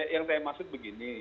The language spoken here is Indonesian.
yang saya maksud begini